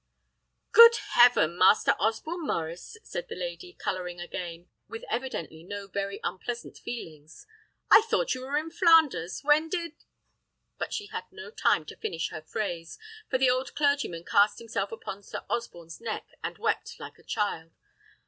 "Good heaven, Master Osborne Maurice!" said the lady, colouring again with evidently no very unpleasant feelings. "I thought you were in Flanders. When did ?" But she had no time to finish her phrase, for the old clergyman cast himself upon Sir Osborne's neck, and wept like a child.